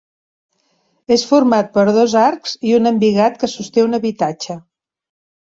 És format per dos arcs i un embigat que sosté un habitatge.